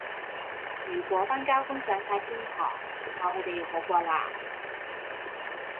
如果班膠官上哂天堂,我去地獄好過啦